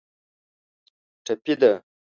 ټپي ده.